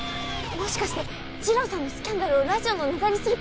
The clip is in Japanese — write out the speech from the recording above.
もしかして治郎さんのスキャンダルをラジオのネタにする気ですか？